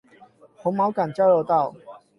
紅毛港交流道